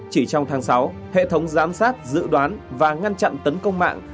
chỉ trong tháng sáu hệ thống giám sát dự đoán và ngăn chặn tấn công mạng